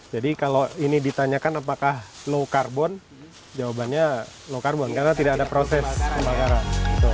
kalau ini ditanyakan apakah low carbon jawabannya low carbon karena tidak ada proses pembakaran